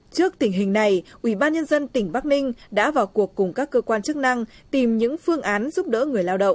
trước tình hình này ubnd tỉnh bắc ninh đã vào cuộc cùng các cơ quan chức năng tìm những phương án giúp đỡ người lao động